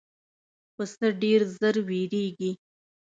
پسه ډېر ژر وېرېږي.